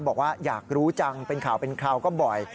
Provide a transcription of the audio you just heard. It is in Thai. บอกว่าอยากรู้จังเป็นข่าวเป็นคราวก็บ่อย